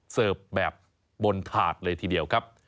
เสิร์ฟแบบบนถาดเลยทีเดียวครับ